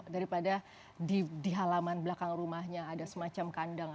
daripada di halaman belakang rumahnya ada semacam kandang